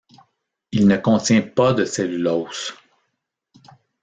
Il ne contient pas de cellulose.